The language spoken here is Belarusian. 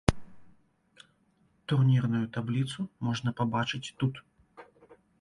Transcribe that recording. Турнірную табліцу можна пабачыць тут.